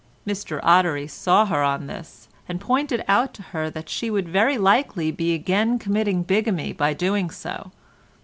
Mr Ottery saw her on this, and pointed out to her that she would very likely be again committing bigamy by doing so.